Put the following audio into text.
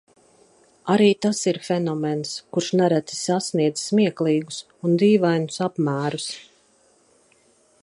Arī tas ir fenomens, kurš nereti sasniedz smieklīgus un dīvainus apmērus.